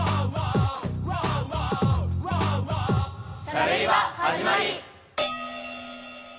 「しゃべり場」始まり！